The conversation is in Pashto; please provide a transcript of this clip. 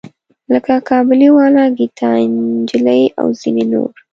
لکه کابلی والا، ګیتا نجلي او ځینې نور.